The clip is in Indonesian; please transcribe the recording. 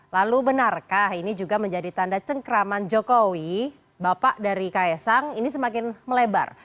lalu benarkah ini juga menjadi tanda cengkraman jokowi bapak dari kaisang ini semakin melebar